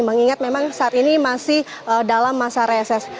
mengingat memang saat ini masih dalam masa reses